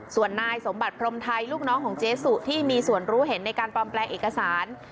ส่วนนายสมบัติพรมไทยลูกน้องของเจ๊สุที่มีส่วนรู้เห็นในการปลอมแปลงเอกสาร